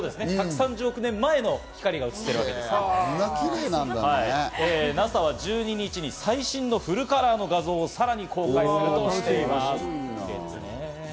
１３０億年前の光が写っているということで、ＮＡＳＡは１２日に最新のフルカラーの画像をさらに公開するとしています。